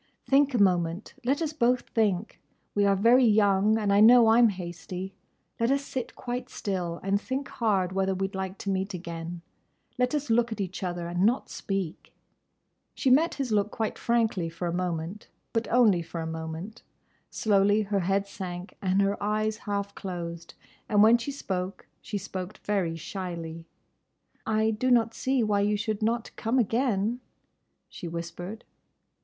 "Think a moment. Let us both think. We are very young, and I know I 'm hasty. Let us sit quite still, and think hard whether we 'd like to meet again. Let us look at each other and not speak." [Illustration: "LET US SIT QUITE STILL AND THINK HARD WHETHER WE'D LIKE TO MEET AGAIN"] She met his look quite frankly for a moment—but only for a moment. Slowly her head sank and her eyes half closed, and when she spoke, she spoke very shyly. "I do not see why you should not come again," she whispered.